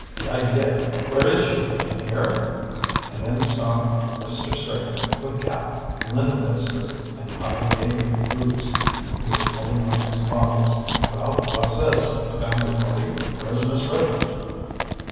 The idea! Where is she? In here?" And in stalked Mr. Straker, with cap, linen duster, and high gaitered boots. He was pulling off his goggles. "Well, what's this? A family party? Where's Miss Redmond?"